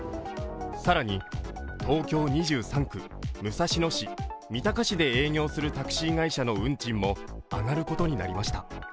更に、東京２３区、武蔵野市、三鷹市で営業するタクシー会社の運賃も上がることになりました。